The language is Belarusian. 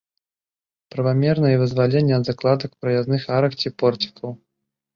Правамерна і вызваленне ад закладак праязных арак ці порцікаў.